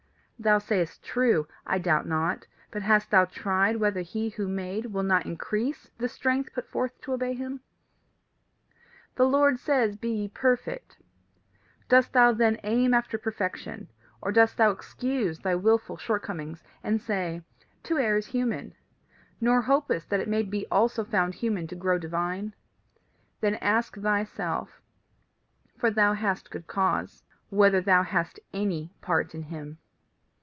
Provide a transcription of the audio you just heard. Thou sayest true, I doubt not. But hast thou tried whether he who made will not increase the strength put forth to obey him? "The Lord says: Be ye perfect. Dost thou then aim after perfection, or dost thou excuse thy wilful short comings, and say, To err is human nor hopest that it may also be found human to grow divine? Then ask thyself, for thou hast good cause, whether thou hast any part in him.